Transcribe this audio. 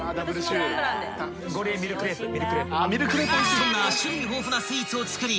［そんな種類豊富なスイーツをつくり］